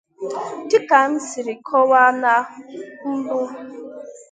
dịka m siri kọwaa na mbụ